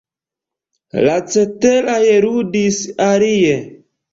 La ceteraj ludis alie.